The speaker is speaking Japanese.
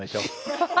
ハハハ。